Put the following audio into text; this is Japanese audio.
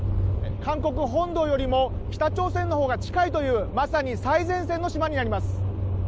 韓国本土よりも北朝鮮のほうが近いというまさに、最前線の島になります。